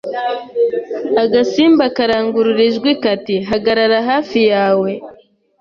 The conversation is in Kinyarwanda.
Agasimba karangurura ijwi kati: “Hagarara hafi yawe.”